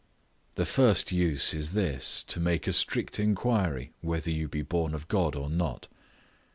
The first use is this, to make a strict inquiry whether you be born of God or not.